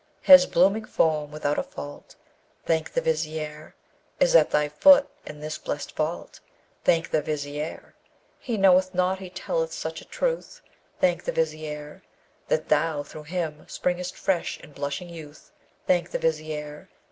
His blooming form without a fault: Thank the Vizier! Is at thy foot in this blest vault: Thank the Vizier! He knoweth not he telleth such a truth, Thank the Vizier! That thou, thro' him, spring'st fresh in blushing youth: Thank the Vizier!